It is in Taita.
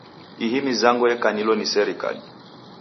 Ihi mizango yakanilo ni serikali.